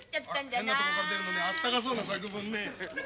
変なとこから出るのねあったかそうな作文ね。